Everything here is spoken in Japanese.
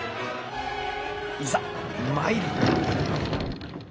いざ参る！